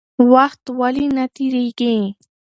وخت ولې نه تېرېږي؟